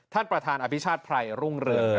ท่านประธานอภิชาติไพรรุ่งเรือง